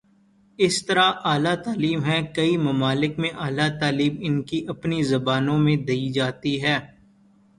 اسی طرح اعلی تعلیم ہے، کئی ممالک میںاعلی تعلیم ان کی اپنی زبانوں میں دی جاتی ہے۔